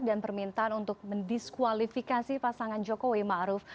dan permintaan untuk mendiskualifikasi pasangan jokowi ma'ruf